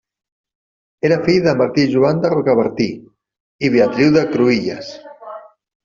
Era fill de Martí Joan de Rocabertí i Beatriu de Cruïlles.